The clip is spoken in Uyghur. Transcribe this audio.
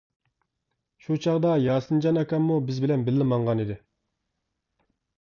شۇ چاغدا ياسىنجان ئاكاممۇ بىز بىلەن بىللە ماڭغان ئىدى.